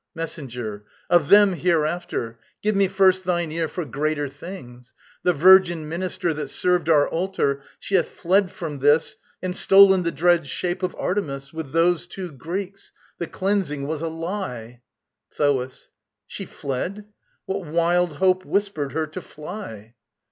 MESSENGER. Of them hereafter! Give me first thine ear For greater things. The virgin minister That served our altar, she hath fled from this And stolen the dread Shape of Artemis, With those two Greeks. The cleansing was a lie. THOAS. She fled? What wild hope whispered her to fly?